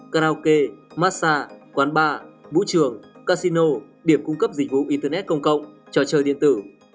karaoke massage quán bar vũ trường casino điểm cung cấp dịch vụ internet công cộng trò chơi điện tử